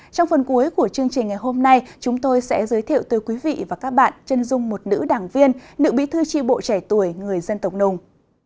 trong phần cuối của chương trình ngày hôm nay chúng tôi sẽ giới thiệu tới quý vị và các bạn chân dung một nữ đảng viên nữ bí thư tri bộ trẻ tuổi người dân tộc nùng